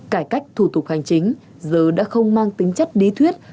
cải cách thủ tục hành chính giờ đã không mang tính chất lý thuyết